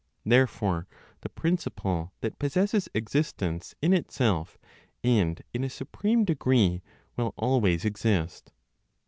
Therefore, the principle that possesses existence in itself and in a supreme degree will always exist.